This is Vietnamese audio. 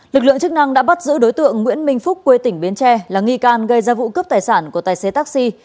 lực lượng chức năng đã bắt giữ đối tượng nguyễn minh phúc quê tỉnh bến tre là nghi can gây ra vụ cướp tài sản của tài xế taxi